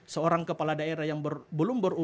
seorang kepala daerah yang belum berumur empat puluh tahun